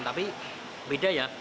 tapi beda ya